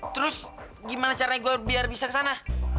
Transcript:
terus gimana caranya gue biar bisa ke sana